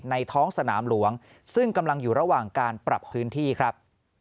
ท้องสนามหลวงซึ่งกำลังอยู่ระหว่างการปรับพื้นที่ครับ